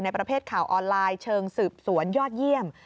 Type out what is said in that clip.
ประเภทข่าวออนไลน์เชิงสืบสวนยอดเยี่ยม